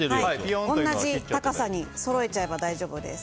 同じ高さにそろえちゃえば大丈夫です。